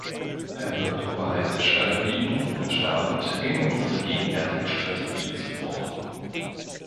Er wird oberhalb der Schwelle liegen, und damit ginge unsere gegenwärtige Strategie zu Bruch.